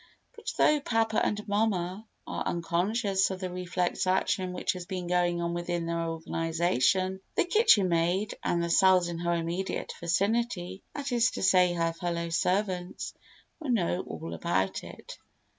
But though papa and mamma are unconscious of the reflex action which has been going on within their organisation, the kitchen maid and the cells in her immediate vicinity (that is to say her fellow servants) will know all about it.